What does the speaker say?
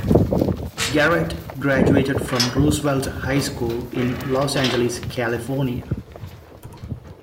Garrett graduated from Roosevelt High School in Los Angeles, California.